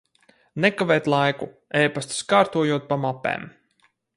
Nekavēt laiku, epastus kārtojot pa mapēm.